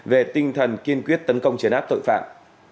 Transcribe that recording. về tinh thần kiên quyết tấn công chấn áp tội phạm